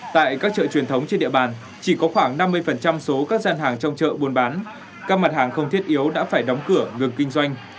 tại các chợ truyền thống trên địa bàn chỉ có khoảng năm mươi số các gian hàng trong chợ buôn bán các mặt hàng không thiết yếu đã phải đóng cửa ngừng kinh doanh